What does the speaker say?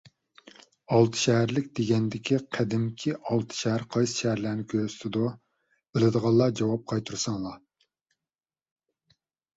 «ئالتەشەھەرلىك» دېگەندىكى قەدىمكى ئالتە شەھەر قايسى شەھەرلەرنى كۆرسىتىدۇ؟ بىلىدىغانلار جاۋاب قايتۇرساڭلار.